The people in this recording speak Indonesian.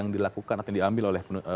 dilakukan atau diambil oleh